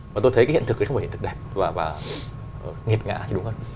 và tôi thấy cái hiện thực đấy không phải hiện thực đẹp và nghiệp ngã thì đúng hơn